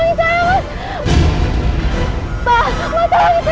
mas jangan takut takut